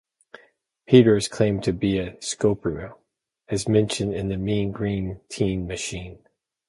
Peter has claimed to be a Scorpio, as mentioned in "Mean Green Teen Machine".